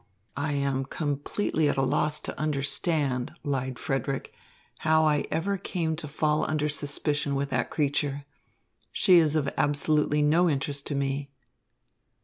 "I am completely at a loss to understand," lied Frederick, "how I ever came to fall under suspicion with that creature. She is of absolutely no interest to me."